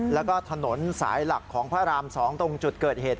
แล้วก็ถนนสายหลักของพระราม๒ตรงจุดเกิดเหตุ